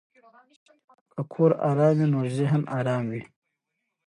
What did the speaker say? که کور آرام وي نو ذهن آرام وي.